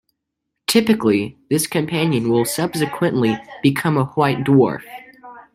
Typically this companion will subsequently become a white dwarf.